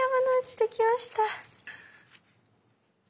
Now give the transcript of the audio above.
できました！